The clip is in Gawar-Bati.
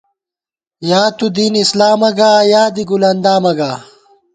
یا تُو دین اسلامہ گا یا دی گل اندامہ گا